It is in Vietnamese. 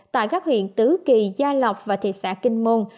tại các huyện tứ kỳ gia lộc và thị xã kinh môn